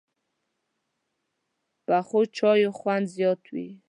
پخو چایو خوند زیات وي